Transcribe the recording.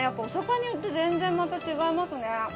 お魚によって全然また違いますね。